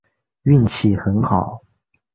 运气很好